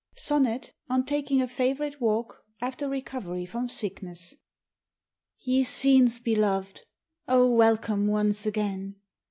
SONNET, ON TAKING A FAVOURITE WALK, AFTER RECOVERY FROM SICKNESS. Ye scenes beloved! O welcome once again!